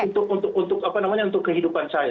untuk untuk untuk apa namanya untuk kehidupan saya